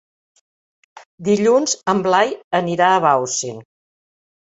Dilluns en Blai anirà a Bausen.